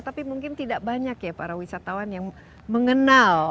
tapi mungkin tidak banyak ya para wisatawan yang mengenal